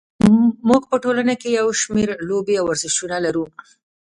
موږ په ټولنه کې یو شمېر لوبې او ورزشونه لرو.